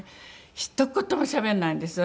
ひと言もしゃべらないんですよ